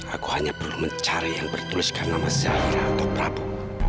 aku hanya perlu mencari yang bertuliskan nama saya atau prabu